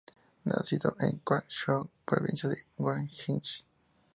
Nacido en Quanzhou, provincia de Guangxi.